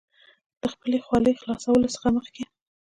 د خپلې خولې خلاصولو څخه مخکې